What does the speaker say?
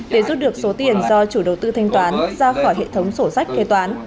để rút được số tiền do chủ đầu tư thanh toán ra khỏi hệ thống sổ sách kế toán